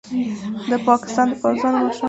د پاکستان د پوځ مشرانو